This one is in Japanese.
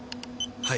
はい。